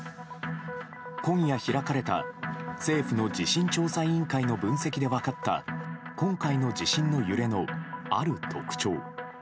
今夜開かれた政府の地震調査委員会の分析で分かった今回の地震の揺れの、ある特徴。